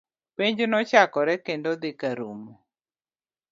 Penj nochakore kendo dhi karumo